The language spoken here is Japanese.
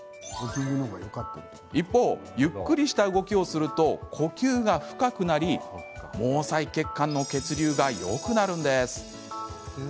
一方、ゆっくりした動きをすると呼吸が深くなり、毛細血管の血流がよくなるんです。